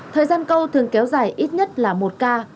thời gian câu thường kéo dài ít nhất là một ca